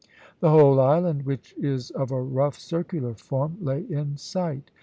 The whole island, which is of a rough circular form, lay in sight.